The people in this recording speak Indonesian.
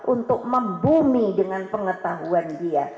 untuk membumi dengan pengetahuan dia